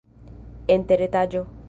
En teretaĝo.